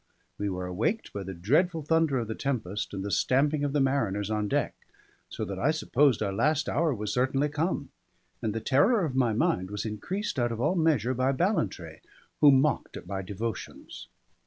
We were awaked by the dreadful thunder of the tempest and the stamping of the mariners on deck; so that I supposed our last hour was certainly come; and the terror of my mind was increased out of all measure by Ballantrae, who mocked at my devotions.